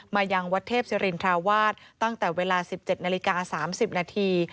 มายังวัดเทพศริรินทราวาสตั้งแต่เวลาสิบเจ็ดนาฬิกาสามสิบนาที